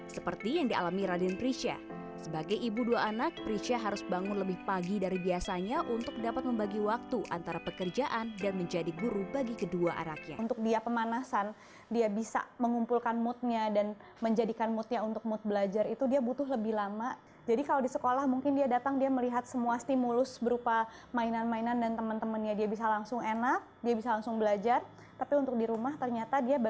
seperti yang dialami raden prisha sebagai ibu dua anak prisha harus bangun lebih pagi dari biasanya untuk dapat membagi waktu antara pekerjaan dan menjadi guru bagi kedua arahnya